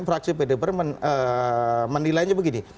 fraksi pdb menilainya begini